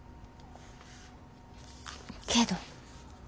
けど？